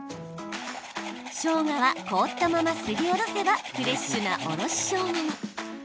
しょうがは凍ったまますりおろせばフレッシュな、おろししょうがに。